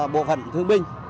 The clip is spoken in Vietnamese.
bộ phận thương binh